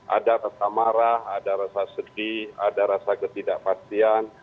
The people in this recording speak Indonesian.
ada rasa marah ada rasa sedih ada rasa ketidakpastian